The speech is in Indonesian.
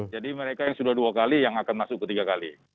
jadi mereka yang sudah dua kali yang akan masuk ke tiga kali